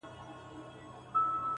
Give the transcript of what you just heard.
چي حاضره يې شېردل ته بوډۍ مور کړه!!